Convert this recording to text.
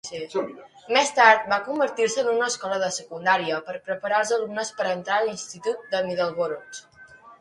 Més tard va convertir-se en una escola de secundària per preparar els alumnes per entrar a l'institut de Middleborough.